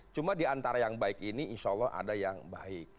cuma di antara yang baik ini insya allah ada yang baik